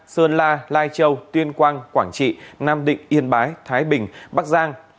sơn la lai châu tuyên quang quảng trị nam định yên bái thái bình bắc giang